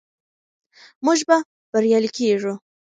موږ به بریالي کیږو.